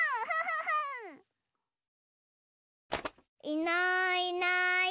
いないいない。